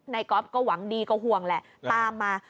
ก๊อฟก็หวังดีก็ห่วงแหละตามมา